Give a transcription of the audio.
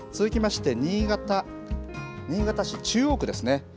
続きまして新潟市中央区ですね。